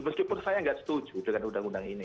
meskipun saya nggak setuju dengan undang undang ini